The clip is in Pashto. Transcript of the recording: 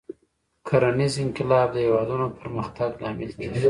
کرنیز انقلاب د هېوادونو پرمختګ لامل کېږي.